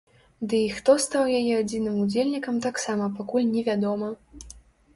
Ды і хто стаў яе адзіным удзельнікам таксама пакуль не вядома.